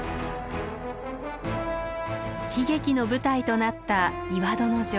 悲劇の舞台となった岩殿城。